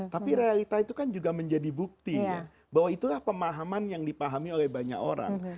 tapi realita itu kan juga menjadi bukti bahwa itulah pemahaman yang dipahami oleh banyak orang